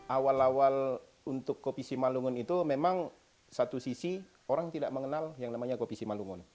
awal awal untuk kopi simalungun itu memang satu sisi orang tidak mengenal yang namanya kopi simalungun